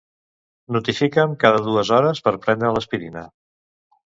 Notifica'm cada dues hores per prendre l'aspirina.